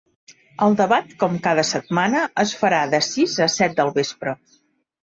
El debat, com cada setmana, es farà de sis a set del vespre.